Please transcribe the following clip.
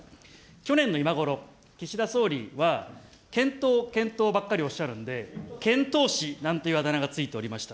去年の今頃、岸田総理は、検討、検討ばっかりおっしゃるんで、けんとうしなんていうあだ名が付いておりました。